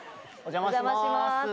お邪魔します。